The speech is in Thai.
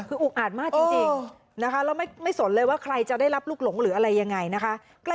คืออุกอาดมากจริงนะคะแล้วไม่สนเลยว่าใครจะได้รับลูกหลงหรืออะไรยังไงนะคะ